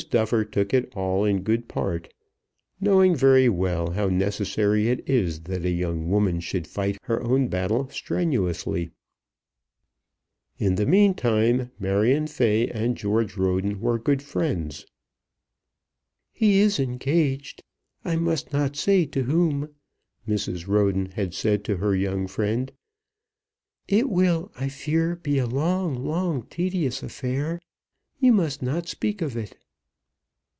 Duffer took it all in good part, knowing very well how necessary it is that a young woman should fight her own battle strenuously. In the mean time Marion Fay and George Roden were good friends. "He is engaged; I must not say to whom," Mrs. Roden had said to her young friend. "It will, I fear, be a long, long, tedious affair. You must not speak of it."